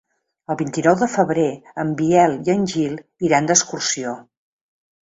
El vint-i-nou de febrer en Biel i en Gil iran d'excursió.